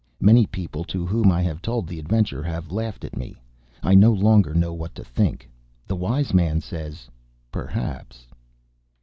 _ Many people to whom I have told the adventure have laughed at me. I no longer know what to think. The wise man says: Perhaps?